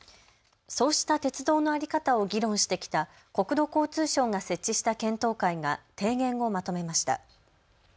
そうした鉄道の在り方を議論してきた国土交通省が設置した検討会が提言をまとめました。